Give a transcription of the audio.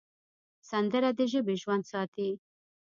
سندره د ژبې ژوند ساتي